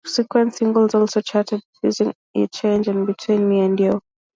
Subsequent singles also charted, such as "You Changed" and "Between Me and U".